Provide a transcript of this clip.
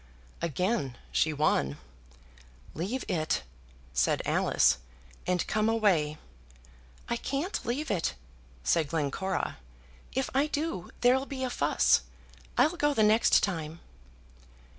Again she won. "Leave it," said Alice, "and come away." "I can't leave it," said Glencora. "If I do, there'll be a fuss. I'll go the next time."